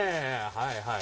はいはい。